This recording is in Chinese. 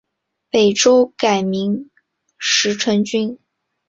北周改名石城郡。